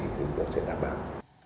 chúng tôi sẽ đảm bảo